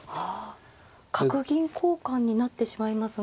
角銀交換になってしまいますが。